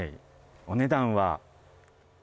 お値段は。